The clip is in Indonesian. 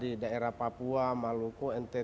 di daerah papua maluku ntt